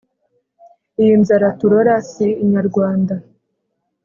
Iyi nzara turora si inyarwanda